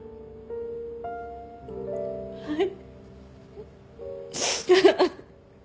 はい。